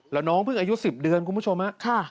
แล้วน้องเพิ่งอายุ๑๐เดือนคุณผู้ชมฮะ